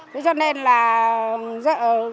thế cho nên là không có sử dụng được cái gì ở cái bờ sông này